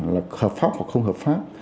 là hợp pháp hoặc không hợp pháp